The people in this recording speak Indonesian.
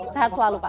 sehat selalu pak